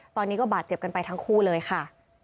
ตอนนี้ก็บาดเจ็บกันไปทั้งคู่เลยค่ะ